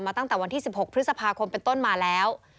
ตั้งแต่วันที่๑๖พฤษภาคมเป็นต้นมาแล้ว